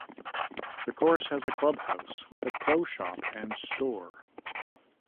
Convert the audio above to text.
The course has a clubhouse, with a pro-shop and store.